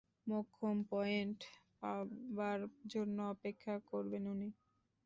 মোক্ষম পয়েন্ট পাবার জন্য অপেক্ষা করবেন উনি।